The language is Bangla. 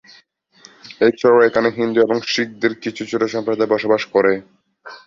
এছাড়াও এখানে হিন্দু এবং শিখদের কিছু ছোট সম্প্রদায় বসবাস করে।